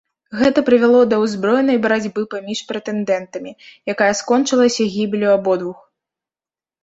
Гэта прывяло да ўзброенай барацьбы паміж прэтэндэнтамі, якая скончылася гібеллю абодвух.